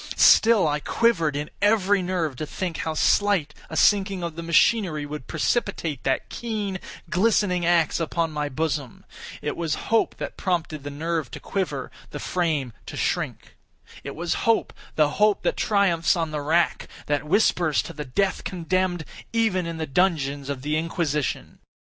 Still I quivered in every nerve to think how slight a sinking of the machinery would precipitate that keen, glistening axe upon my bosom. It was hope that prompted the nerve to quiver—the frame to shrink. It was hope—the hope that triumphs on the rack—that whispers to the death condemned even in the dungeons of the Inquisition.